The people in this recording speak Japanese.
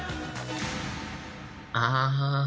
ああ！